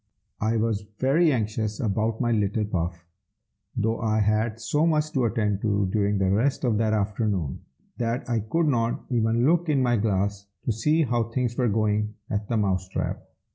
I was very anxious about my little Puff, though I had so much to attend to during the rest of that afternoon, that I could not even look in my glass to see how things were going at the Mouse trap.